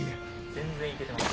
全然行けてます。